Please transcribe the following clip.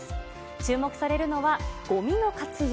注目されるのはごみの活用。